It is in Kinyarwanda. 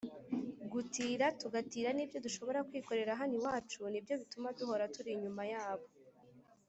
gutira tugatira n’ibyo dushobora kwikorera hano iwacu ni byo bituma duhora turi inyuma yabo